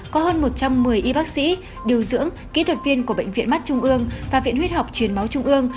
có hơn một trăm một mươi y bác sĩ điều dưỡng kỹ thuật viên của bệnh viện mắt trung ương và viện huyết học truyền máu trung ương